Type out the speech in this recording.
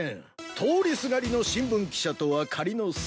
通りすがりの新聞記者とは仮の姿。